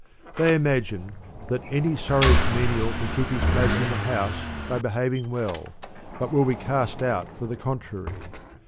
They imagine that any sorriest menial can keep his place in the house by behaving well, but will be cast out for the contrary.